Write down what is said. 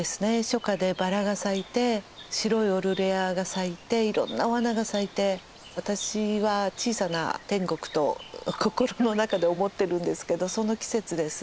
初夏でバラが咲いて白いオルレアが咲いていろんなお花が咲いて私は小さな天国と心の中で思ってるんですけどその季節です。